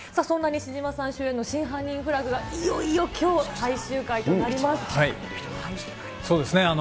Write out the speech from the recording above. そんな西島さん主演の真犯人フラグがいよいよきょう、最終回となります。